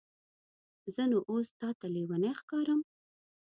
زه نو اوس تاته لیونی ښکارم؟